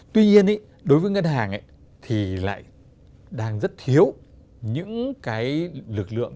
tuy nhiên đối với ngân hàng thì lại đang rất thiếu những cái lực lượng